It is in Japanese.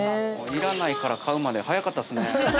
◆要らないから買うまで、早かったですね。